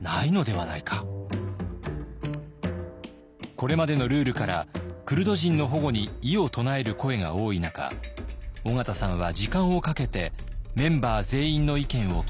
これまでのルールからクルド人の保護に異を唱える声が多い中緒方さんは時間をかけてメンバー全員の意見を聞きます。